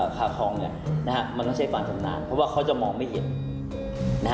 มันก็ใช้ความชำนาญเพราะว่าเขาจะมองไม่เห็น